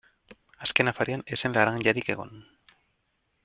Azken afarian ez zen laranjarik egon.